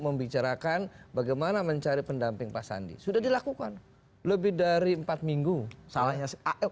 membicarakan bagaimana mencari pendamping pasandi sudah dilakukan lebih dari empat minggu salahnya